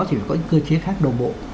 thì phải có những cơ chế khác đồng bộ